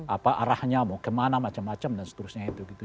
apa arahnya mau kemana macam macam dan seterusnya itu gitu